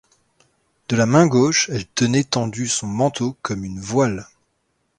De la main gauche elle tenait tendu son manteau comme une voile.